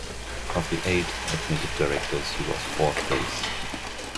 Of the eight admitted directors he was fourth place.